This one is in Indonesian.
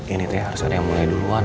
ini t harus ada yang mulai duluan